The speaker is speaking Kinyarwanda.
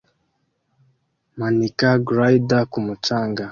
Manika glider ku mucanga